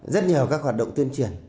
rất nhiều các hoạt động tuyên truyền